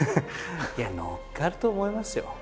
いや乗っかると思いますよ。